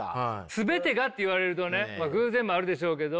全てがって言われるとね偶然もあるでしょうけど。